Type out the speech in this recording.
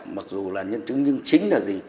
mặc dù là nhân chứng nhưng chính là gì